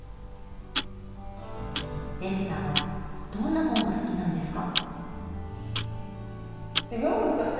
レミさんはどんな本が好きなんですか？